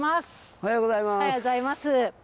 おはようございます。